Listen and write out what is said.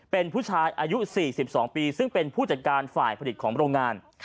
เป็นผู้ชายอายุ๔๒ปีซึ่งเป็นผู้จัดการฝ่ายผลิตของโรงงาน